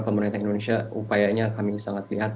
pemerintah indonesia upayanya kami sangat lihat